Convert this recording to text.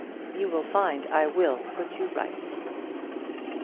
You will find I will put you right."